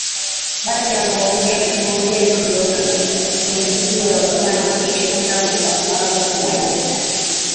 Baada ya maongezi waliingizia utani kisha Jacob akaaga kuondoka